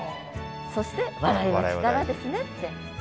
そして笑いは力ですねって。